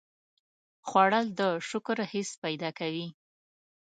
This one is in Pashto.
خوړل د شکر حس پیدا کوي